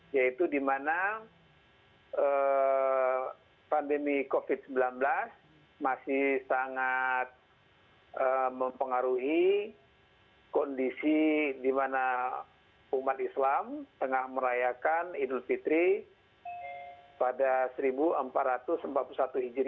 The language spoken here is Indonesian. yaitu di mana pandemi covid sembilan belas masih sangat mempengaruhi kondisi di mana umat islam tengah merayakan idul fitri pada seribu empat ratus empat puluh satu hijriah